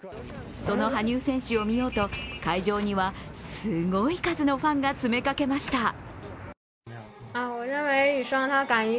その羽生選手を見ようと、会場にはすごい数のファンが詰めかけました。